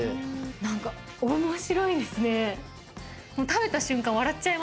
なんか、おもしろいですね。